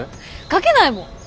書けないもん。